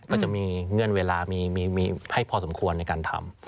ก็จะมีเงื่อนเวลามีให้พอสมควรในการทำ